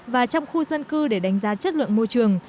và trong khu dân cư để đánh giá chất lượng môi trường